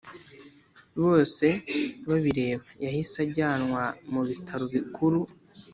bosebabireba yahise ajyanwa mu bitaro bikuru